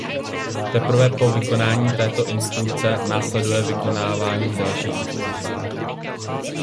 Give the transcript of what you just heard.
Teprve po vykonání této instrukce následuje vykonávání další instrukce.